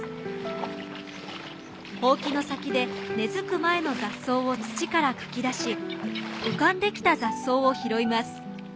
ほうきの先で根付く前の雑草を土からかき出し浮かんできた雑草を拾います。